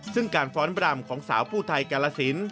ซึ่งการฟ้อนบรำของสาวผู้ไทยกาลสิน